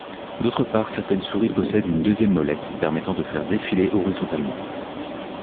D'autre part, certaines souris possèdent une deuxième molette, permettant de faire défiler horizontalement.